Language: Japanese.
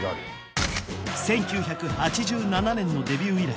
１９８７年のデビュー以来